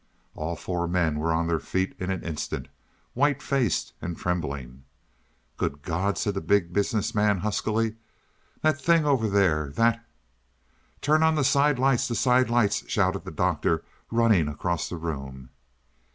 All four men were on their feet in an instant, white faced and trembling. "Good God," said the Big Business Man huskily, "that thing over there that " "Turn on the side lights the side lights!" shouted the Doctor, running across the room.